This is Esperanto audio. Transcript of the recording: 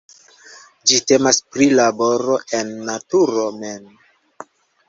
Ĝi temas pri laboro en naturo mem.